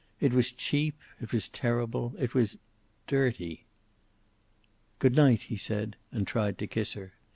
It was cheap. It was terrible. It was dirty. "Good night," he said, and tried to kiss her.